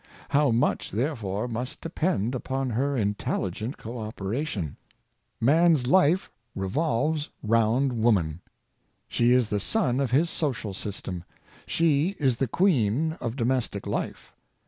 How much, therefore, must depend upon her intelligent co operation! Man's life revolves round woman. She is the sun of his social system. She is the queen of domestic life.